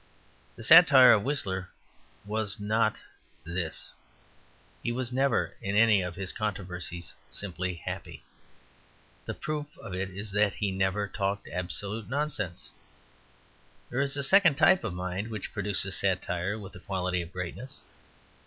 The satire of Whistler was not this. He was never in any of his controversies simply happy; the proof of it is that he never talked absolute nonsense. There is a second type of mind which produces satire with the quality of greatness.